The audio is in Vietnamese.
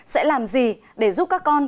sẽ làm gì để giúp các con